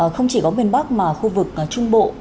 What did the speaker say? không chỉ có miền bắc mà khu vực trung bộ